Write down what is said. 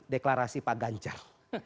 deklarasi pak ganjar